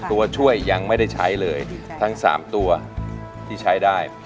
ตัวช่วยยังไม่ได้ใช้เลยทั้ง๓ตัวที่ใช้ได้